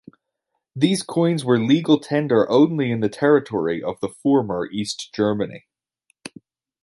These coins were legal tender only in the territory of the former East Germany.